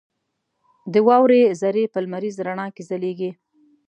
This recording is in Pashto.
• د واورې ذرې په لمریز رڼا کې ځلېږي.